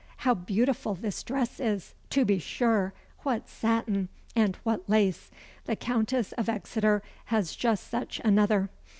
how beautiful this dress is, to be sure! what satin! and what lace! The Countess of Exeter has just such another.